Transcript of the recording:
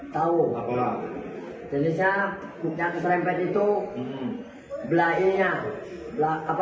saya cekal saya berangkat menjawab